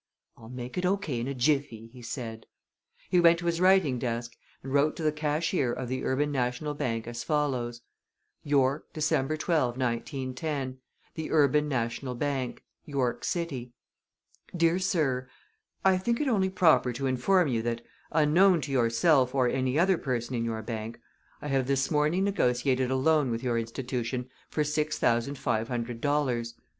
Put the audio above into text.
"I'll make it O. K. in a jiffy," he said. He went to his writing desk, and wrote to the cashier of the Urban National Bank as follows: NEW YORK, December 12, 1910. Cashier, the Urban National Bank, New York City: DEAR SIR, I think it only proper to inform you that, unknown to yourself or any other person in your bank, I have this morning negotiated a loan with your institution for six thousand five hundred dollars.